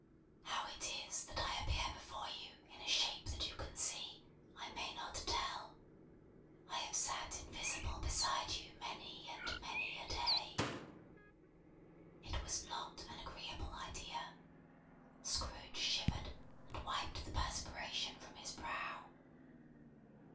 "How it is that I appear before you in a shape that you can see, I may not tell. I have sat invisible beside you many and many a day." It was not an agreeable idea. Scrooge shivered, and wiped the perspiration from his brow.